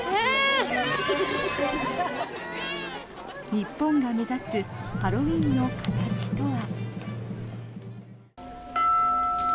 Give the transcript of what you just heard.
日本が目指すハロウィーンの形とは。